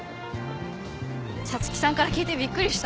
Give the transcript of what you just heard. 皐月さんから聞いてびっくりした。